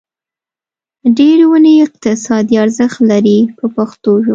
ډېرې ونې یې اقتصادي ارزښت لري په پښتو ژبه.